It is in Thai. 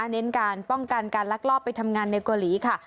เน้นการป้องกันการลักลอบไปทำงานในเกาหลีค่ะ